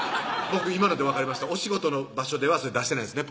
僕今ので分かりましたお仕事の場所ではそれ出してないんですね